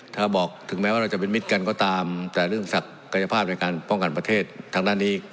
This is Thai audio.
ถ้าบอกถึงแม้ว่าเราจะเป็นมิตรกันก็ตามแต่เรื่องศักยภาพในการป้องกันประเทศทางด้านนี้